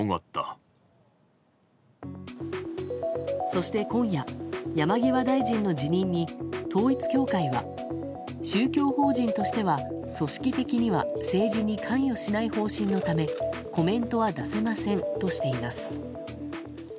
そして今夜、山際大臣の辞任に統一教会は宗教法人としては、組織的には政治に関与しない方針のためコメントは出せませんとしています。